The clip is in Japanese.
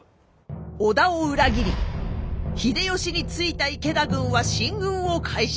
織田を裏切り秀吉についた池田軍は進軍を開始。